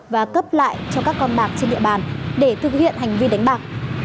và cấp lại cho các con bạc trên địa bàn để thực hiện hành vi đánh bạc